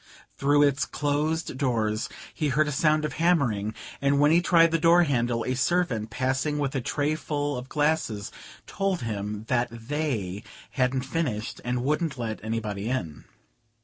Through its closed doors he heard a sound of hammering, and when he tried the door handle a servant passing with a tray full of glasses told him that "they" hadn't finished, and wouldn't let anybody in.